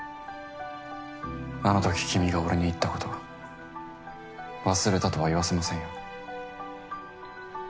あのとき君が俺に言ったこと忘れたとは言わせませんよ？